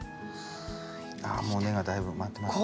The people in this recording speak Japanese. ああもう根がだいぶ回ってますね。